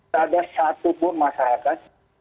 tidak ada satupun masyarakat